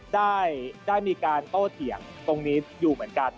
ได้มีโต้เทียงอยู่นะครับ